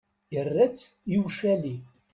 Yerra-tt i ucali.